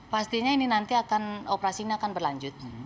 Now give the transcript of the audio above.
pastinya ini nanti akan operasi ini akan berlanjut